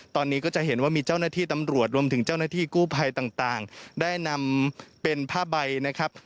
ตอนนี้ก็จะเห็นว่ามีเจ้าหน้าที่ตำรวจรวมถึงเจ้าหน้าที่กู้ภัยต่างได้นำเป็นผ้าใบนะครับ